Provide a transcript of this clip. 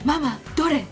どれ？